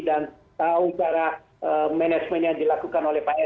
dan tahu cara manajemen yang dilakukan oleh pak sby